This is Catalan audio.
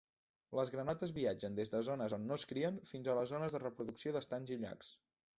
Les granotes viatgen des de zones on no es crien fins a les zones de reproducció d'estanys i llacs.